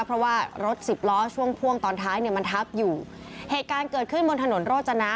เพราะว่ารถสิบล้อช่วงพ่วงตอนท้ายเนี่ยมันทับอยู่เหตุการณ์เกิดขึ้นบนถนนโรจนะ